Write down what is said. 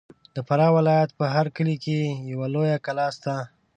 د فراه ولایت په هر کلي کې یوه لویه کلا سته.